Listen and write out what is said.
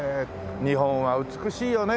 日本は美しいよね